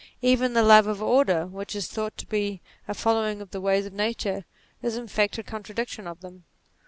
Even the love of " order" which is thought to be a following of the ways of Nature, is in fact NATURE 3 1 a contradiction of them.